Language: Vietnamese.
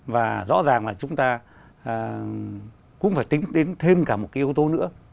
và rõ ràng là chúng ta cũng phải tính đến thêm cả một cái yếu tố nữa